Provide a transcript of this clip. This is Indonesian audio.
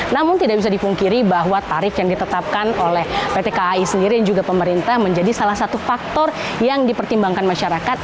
namun tidak bisa dipungkiri bahwa tarif yang ditetapkan oleh pt kai sendiri dan juga pemerintah menjadi salah satu faktor yang dipertimbangkan masyarakat